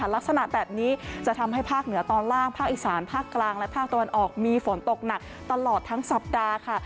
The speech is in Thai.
ลักษณะแบบนี้จะทำให้ภาคเหนือตอนล่างภาคอีสานภาคกลางและภาคตะวันออกมีฝนตกหนักตลอดทั้งสัปดาห์ค่ะ